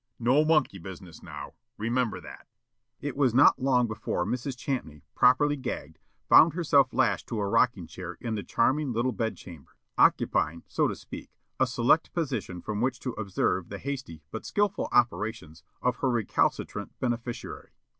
No monkey business, now, remember that." It was not long before Mrs. Champney, properly gagged, found herself lashed to a rocking chair in the charming little bed chamber, occupying, so to speak, a select position from which to observe the hasty but skillful operations of her recalcitrant beneficiary.